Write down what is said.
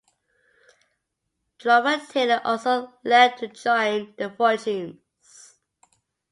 Drummer Taylor also left to join The Fortunes.